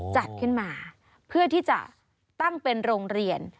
จัดขึ้นมาเพื่อที่จะตั้งเป็นโรงเรียน